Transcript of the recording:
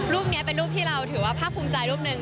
รูปนี้เป็นรูปที่เราถือว่าภาคภูมิใจรูปหนึ่ง